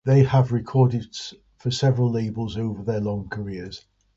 They have recorded for several labels over their long careers.